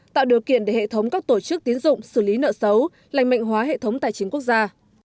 tạo điều kiện để hệ thống các tổ chức tiến dụng xử lý nợ xấu lành mạnh hóa hệ thống tài chính quốc gia